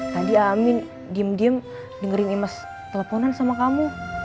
tadi amin diem diem dengerin imes teleponan sama kamu